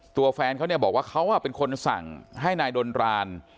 ตัวแฟนเขาเนี่ยบอกว่าเขาเป็นคนสั่งให้นายดนราน